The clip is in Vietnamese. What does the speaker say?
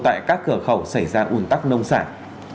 tại các cửa khẩu xảy ra ủn tắc nông sản